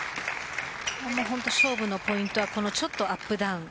勝負のポイントはちょっとアップダウン